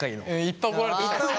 いっぱい怒られてる。